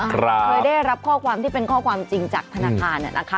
เคยได้รับข้อความที่เป็นข้อความจริงจากธนาคารนะคะ